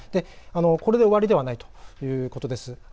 これで終わりではないということです。